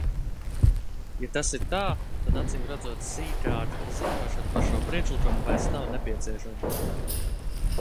Ja tas ir tā, tad acīmredzot sīkāka ziņošana par šo priekšlikumu vairs nav nepieciešama.